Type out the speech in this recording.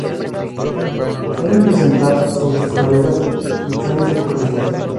Suelen presentar sobre sus cabezas mechones o crestas.